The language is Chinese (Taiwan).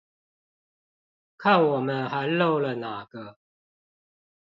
看我們還漏了哪個